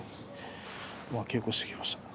稽古をしてきました。